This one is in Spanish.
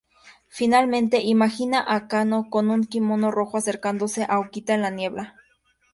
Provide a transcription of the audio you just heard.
Finalmente, imagina a Kano, con un kimono rojo acercándose a Okita en la niebla.